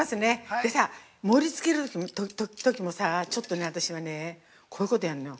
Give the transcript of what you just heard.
で、さ、盛り付けるときもさぁちょっとね、私はね、こういうことやんのよ。